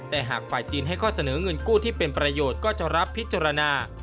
แต่หากฝ่ายจีนให้ข้อเสนอเงินกู้ที่เป็นประโยชน์ก็จะรับพิจารณา